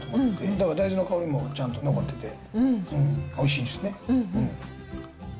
だから大豆の香りもちゃんと残ってて、おいしいですね。